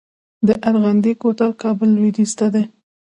د ارغندې کوتل کابل لویدیځ ته دی